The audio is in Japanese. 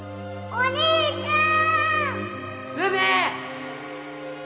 お兄ちゃん！